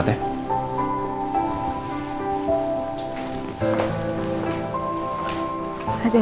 sambil angkat ya